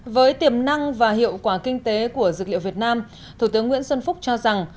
với tiềm năng và hiệu quả kinh tế của dược liệu việt nam thủ tướng nguyễn xuân phúc cho rằng